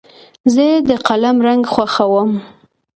زه د قلم رنګ خوښوم.